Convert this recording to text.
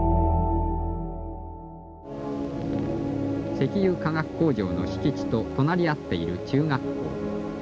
石油化学工場の敷地と隣り合っている中学校。